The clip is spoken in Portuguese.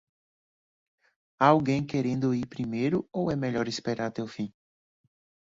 Há alguém querendo ir primeiro ou é melhor esperar até o fim?